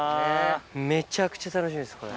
めちゃくちゃ楽しみです。